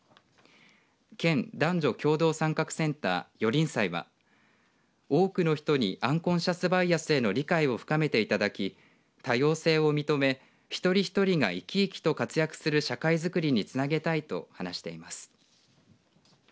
県男女共同参画センターよりん彩は多くの人にアンコンシャス・バイアスへの理解を深めていただき多様性を認め一人一人が生き生きと活躍する社会づくりにつなげたいと話しています。